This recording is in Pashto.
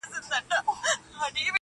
ډنگر په هډ ماغزه لري.